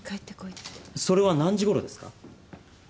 それは何時ごろですか？